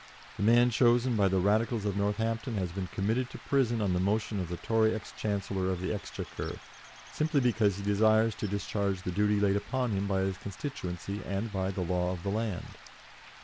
The man chosen by the Radicals of Northampton has been committed to prison on the motion of the Tory ex Chancellor of the Exchequer, simply because he desires to discharge the duty laid upon him by his constituency and by the law of the land.